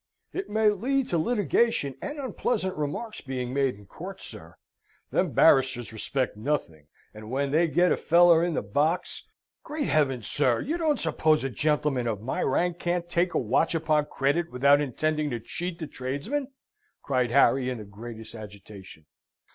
"It may lead to litigation and unpleasant remarks being made, in court, sir. Them barristers respect nothing; and when they get a feller in the box " "Great Heaven, sir, you don't suppose a gentleman of my rank can't take a watch upon credit without intending to cheat the tradesman?" cried Harry, in the greatest agitation.